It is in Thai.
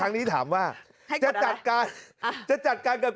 ทางนี้ถามว่าจะจัดการใช่